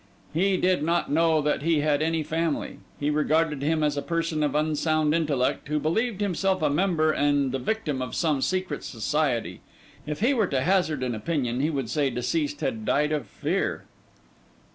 He did not know that he had any family. He regarded him as a person of unsound intellect, who believed himself a member and the victim of some secret society. If he were to hazard an opinion, he would say deceased had died of fear.